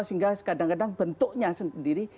sehingga kadang kadang bentuknya sendiri